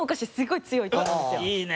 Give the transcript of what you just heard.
いいね。